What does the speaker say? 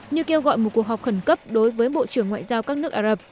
như kêu gọi một cuộc họp khẩn cấp đối với bộ trưởng ngoại giao các nước ả rập